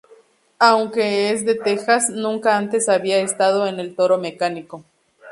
Aunque es de Texas, nunca antes había estado en el toro mecánico.